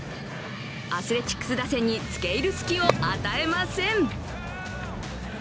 アスレチックス打線につけ入る隙を与えません。